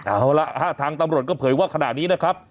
เอาล่ะทางตำรวจก็เผยว่าขณะนี้นะครับ